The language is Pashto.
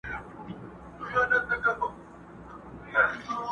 خپل وطن خپل یې څښتن سو خپل یې کور سو.!